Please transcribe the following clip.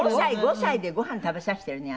５歳でごはん食べさせてるのよ